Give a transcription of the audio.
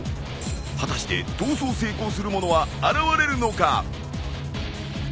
果たして逃走成功する者は現れるのか。